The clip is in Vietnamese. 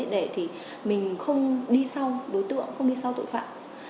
để thì mình không đi sau đối tượng không đi sau tội phạm